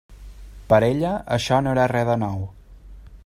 Per a ella això no era res de nou.